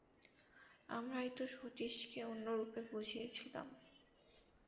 আমরাই তো সতীশকে অন্যরূপ বুঝিয়েছিলেম।